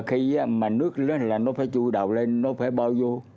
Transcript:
khi mà nước là nó phải chui đầu lên nó phải bao vô